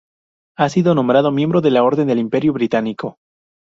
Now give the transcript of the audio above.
Ha sido nombrado miembro por la Orden del Imperio Británico.